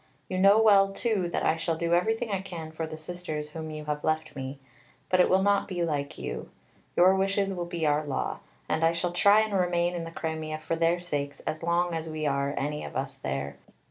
You know well too that I shall do everything I can for the Sisters whom you have left me. But it will not be like you. Your wishes will be our law. And I shall try and remain in the Crimea for their sakes as long as we are any of us there.